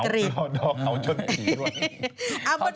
อ๋อไปเรียนอังกฤษ